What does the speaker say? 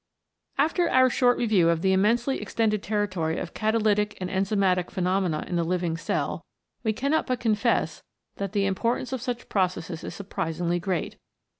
After our short review of the immensely ex tended territory of catalytic and enzymatic phenomena in the living cell, we cannot but confess that the importance of such processes is surprisingly great.